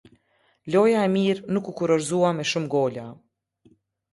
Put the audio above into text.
Loja e mirë nuk u kurorëzua me shumë gola.